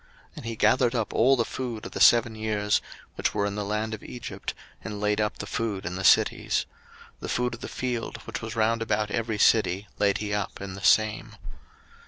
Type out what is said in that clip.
01:041:048 And he gathered up all the food of the seven years, which were in the land of Egypt, and laid up the food in the cities: the food of the field, which was round about every city, laid he up in the same.